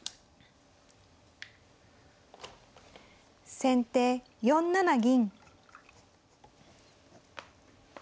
先手４七銀。